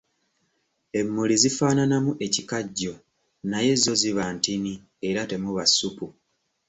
Emmuli zifaananamu ekikajjo naye zo ziba ntini era temuba ssupu.